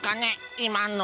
今の。